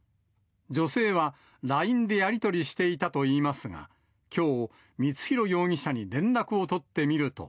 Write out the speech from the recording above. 女性はＬＩＮＥでやり取りしていたといいますが、きょう、光弘容疑者に連絡を取ってみると。